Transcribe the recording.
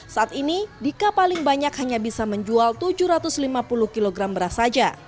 saat ini dika paling banyak hanya bisa menjual tujuh ratus lima puluh kg beras saja